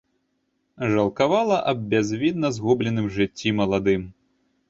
Жалкавала аб бязвінна загубленым жыцці маладым.